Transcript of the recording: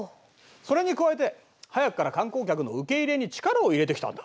それに加えて早くから観光客の受け入れに力を入れてきたんだ。